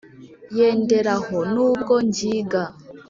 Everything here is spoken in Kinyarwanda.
yendera ho n’ubwa ngiga,